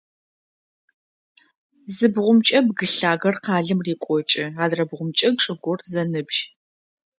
Зы бгъумкӏэ бгы лъагэр къалэм рекӏокӏы, адрэбгъумкӏэ чӏыгур зэныбжь.